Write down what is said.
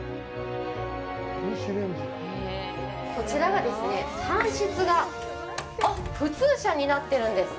こちらがですね、半室が普通車になっているんです。